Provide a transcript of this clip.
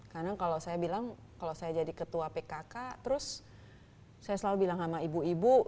karena kalau saya bilang kalau saya jadi ketua pkk terus saya selalu bilang sama ibu ibu